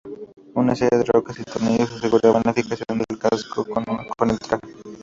Una serie de roscas y tornillos aseguraban la fijación del casco con el traje.